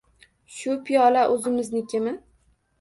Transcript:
Shu piyola o‘zingiznikimi